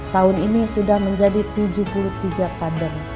tahun ini sudah menjadi tujuh puluh tiga kader